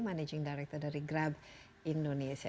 managing director dari grab indonesia